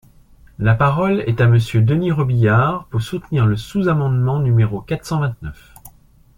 La parole est à Monsieur Denys Robiliard, pour soutenir le sous-amendement numéro quatre cent vingt-neuf.